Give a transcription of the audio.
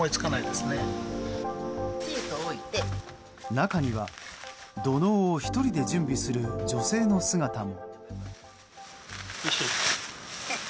中には、土のうを１人で準備する女性の姿も。